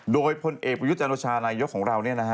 โดยพลเอกประยุทธ์อนุชาณายกของเราเนี่ยนะฮะ